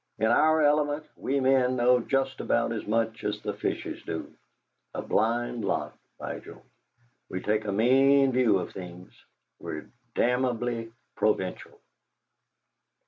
In our element we men know just about as much as the fishes do. A blind lot, Vigil! We take a mean view of things; we're damnably provincial!"